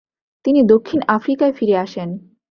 তিনি দক্ষিণ আফ্রিকায় ফিরে আসেন।